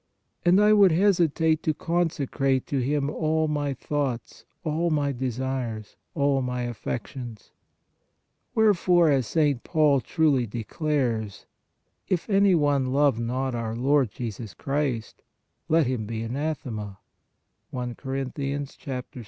And I would hesitate to consecrate to Him all my thoughts, all my desires, all my affections ! Where fore, as St. Paul truly declares, " if anyone love not our Lord Jesus Christ, let him be anathema " (I Cor.